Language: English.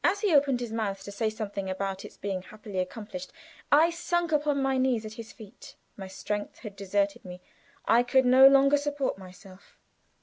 As he opened his mouth to say something about its being "happily accomplished," I sunk upon my knees at his feet. My strength had deserted me; I could no longer support myself.